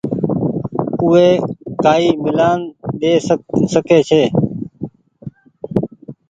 اوي ڪآئي ميلآن ۮي سڪي ڇي